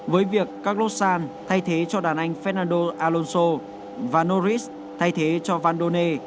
với việc carlos sainz thay thế cho đàn anh fernando alonso và norris thay thế cho vandone